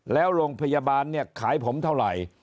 แล้วโรงพยาบาลเนี่ยขายผมเท่าไหร่